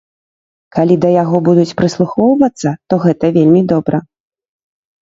Калі да яго будуць прыслухоўвацца, то гэта вельмі добра.